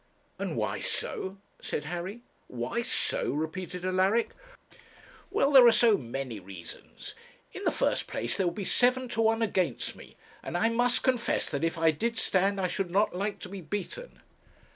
'And why so?' said Harry. 'Why so?' repeated Alaric. 'Well, there are so many reasons. In the first place, there would be seven to one against me; and I must confess that if I did stand I should not like to be beaten.'